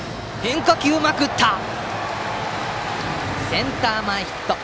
センター前ヒット。